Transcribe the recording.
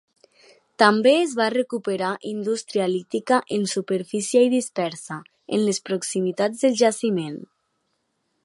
També es va recuperar indústria lítica en superfície i dispersa, en les proximitats del jaciment.